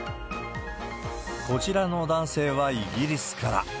こちらの男性はイギリスから。